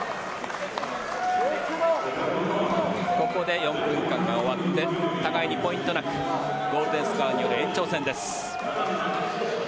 ここで４分間が終わって互いにポイントなくゴールデンスコアによる延長戦です。